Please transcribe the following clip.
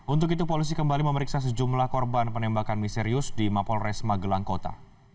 untuk itu polisi kembali memeriksa sejumlah korban penembakan misterius di mapolres magelang kota